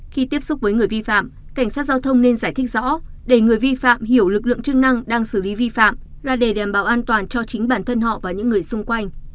khi tiếp xúc với người vi phạm cảnh sát giao thông nên giải thích rõ để người vi phạm hiểu lực lượng chức năng đang xử lý vi phạm là để đảm bảo an toàn cho chính bản thân họ và những người xung quanh